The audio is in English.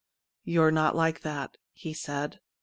' You are not like that/ he said.